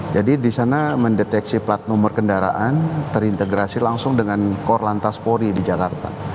jadi di sana mendeteksi plat nomor kendaraan terintegrasi langsung dengan kor lantas pori di jakarta